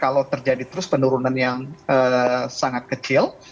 kalau terjadi terus penurunan yang sangat kecil